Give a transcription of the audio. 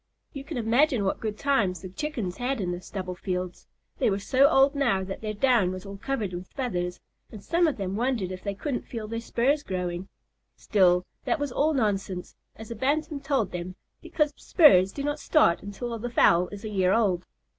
You can imagine what good times the Chickens had in the stubble fields. They were so old now that their down was all covered with feathers, and some of them wondered if they couldn't feel their spurs growing. Still, that was all nonsense, as a Bantam told them, because spurs do not start until the fowl is a year old.